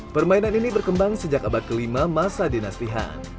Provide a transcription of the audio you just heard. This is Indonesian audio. permainan ini berkembang sejak abad kelima masa dinastihan